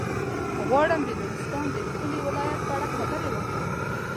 غواړم د نورستان د ښکلي ولايت په اړه خبرې وکړم.